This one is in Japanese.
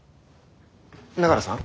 永浦さん。